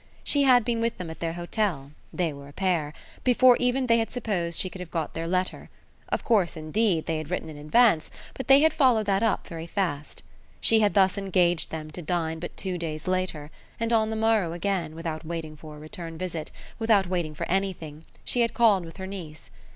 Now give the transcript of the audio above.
She had been with them at their hotel they were a pair before even they had supposed she could have got their letter. Of course indeed they had written in advance, but they had followed that up very fast. She had thus engaged them to dine but two days later, and on the morrow again, without waiting for a return visit, without waiting for anything, she had called with her niece.